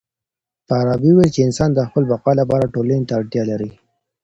فارابي وويل چي انسان د خپل بقا لپاره ټولني ته اړتيا لري.